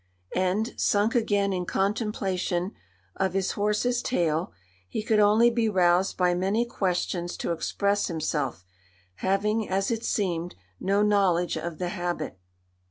And, sunk again in contemplation of his horse's tail, he could only be roused by many questions to express himself, having, as it seemed, no knowledge of the habit.